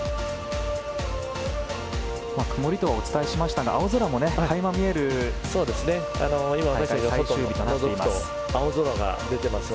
曇りとはお伝えしましたが青空も垣間見える大会最終日となっています。